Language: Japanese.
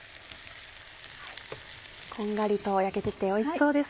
こんがりと焼けてておいしそうです。